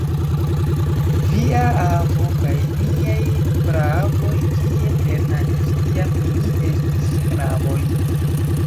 Via avo kaj niaj praavoj tie lernadis, kiam ili estis knaboj.